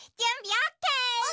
オッケー。